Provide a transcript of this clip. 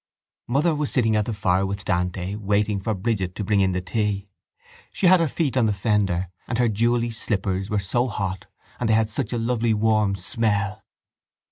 Mother was sitting at the fire with Dante waiting for Brigid to bring in the tea. She had her feet on the fender and her jewelly slippers were so hot and they had such a lovely warm smell!